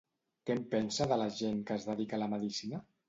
Què en pensa de la gent que es dedica a la medicina?